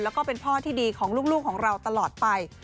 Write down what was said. แล้วก็เป็นพ่อที่ดีของลูกของเราตลอดไป